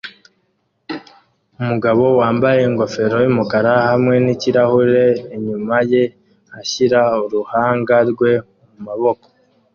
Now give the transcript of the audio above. umugabo wambaye ingofero yumukara hamwe nikirahure inyuma ye ashyira uruhanga rwe mumaboko